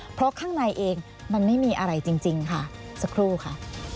เพราะข้างในเองมันไม่มีอะไรจริงค่ะสักครู่ค่ะ